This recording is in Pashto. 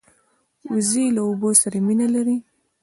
وزې له اوبو سره مینه لري